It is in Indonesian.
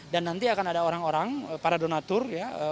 dan nanti akan ada orang orang para donatur